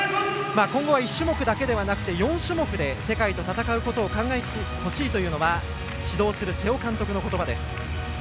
今後は１種目だけではなくて４種目で世界と戦うことを考えてほしいというのは指導する瀬尾監督のことばです。